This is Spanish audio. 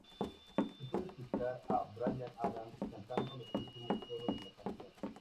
Se puede escuchar a Bryan Adams cantando los últimos coros de la canción.